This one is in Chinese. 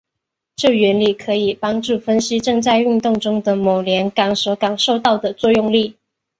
这原理可以帮助分析正在运动中的某连杆所感受到的作用力。